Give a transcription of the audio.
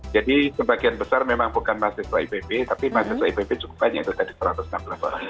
jadi sebagian besar memang bukan mahasiswa ipb tapi mahasiswa ipb cukup banyak dari satu ratus enam belas orang